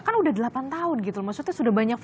kan sudah delapan tahun maksudnya sudah banyak